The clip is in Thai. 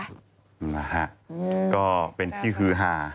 นะฮะก็เป็นที่ฮือฮา